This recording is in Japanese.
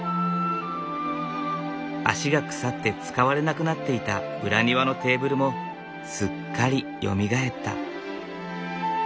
脚が腐って使われなくなっていた裏庭のテーブルもすっかりよみがえった。